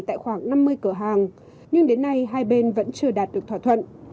tại khoảng năm mươi cửa hàng nhưng đến nay hai bên vẫn chưa đạt được thỏa thuận